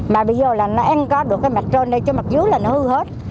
mà bây giờ là nó ăn có được cái mặt trên đây cho mặt dưới là nó hư hết